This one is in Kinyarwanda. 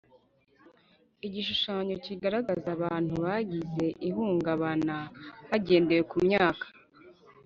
Igishushanyo kigaragaza abantu bagize ihungabana hagendewe ku myaka